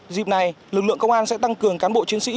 dịp này lực lượng công an sẽ tăng cường cán bộ chiến sĩ